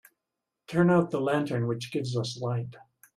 Turn out the lantern which gives us light.